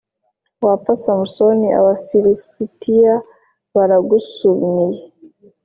Wapfa Samusoni Abafilisitiya baragusumiye